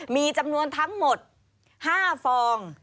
มีจำนวนทั้งหมด๕ฟอง